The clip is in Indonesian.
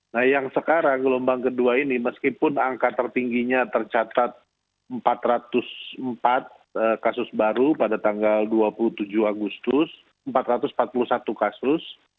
nah yang sekarang gelombang kedua ini meskipun angka tertingginya tercatat empat ratus empat kasus baru pada tanggal dua puluh tujuh agustus empat ratus empat puluh satu kasus